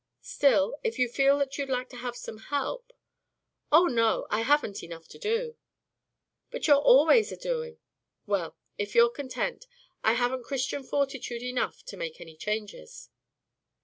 Still, if you feel that you'd like to have some help " "Oh, no! I haven't enough to do." "But you're always a doing. Well, if you're content, I haven't Christian fortitude enough to make any changes."